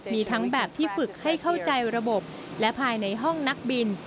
มีทั้งแบบที่ฝึกให้เข้าใจระบบและภายในห้องนักบิน